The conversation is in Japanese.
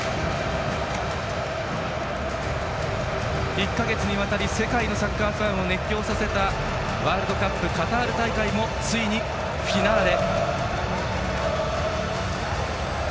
１か月にわたり世界のサッカーファンを熱狂させたワールドカップカタール大会もついにフィナーレ。